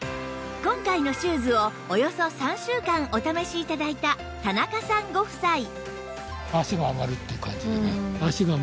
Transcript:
今回のシューズをおよそ３週間お試し頂いた田中さんご夫妻